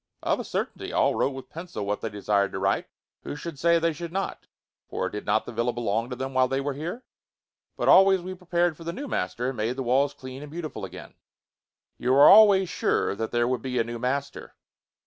"Of a certainty. All wrote with pencil what they desired to write. Who should say they should not? For did not the villa belong to them while they were here? But always we prepared for the new master, and made the walls clean and beautiful again." "You were always sure that there would be a new master?"